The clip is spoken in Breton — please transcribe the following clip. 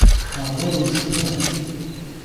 Ar vaouez klañv.